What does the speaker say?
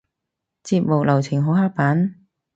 節目流程好刻板？